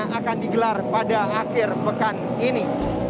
yang akan digelar pada akhir pekan ini